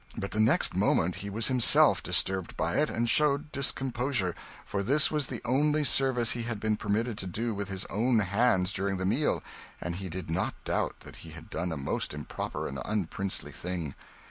But the next moment he was himself disturbed by it, and showed discomposure; for this was the only service he had been permitted to do with his own hands during the meal, and he did not doubt that he had done a most improper and unprincely thing.